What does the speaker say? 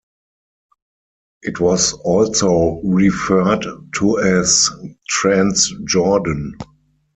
It was also referred to as Transjordan.